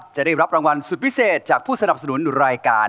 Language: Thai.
จะได้รับรางวัลสุดพิเศษจากผู้สนับสนุนรายการ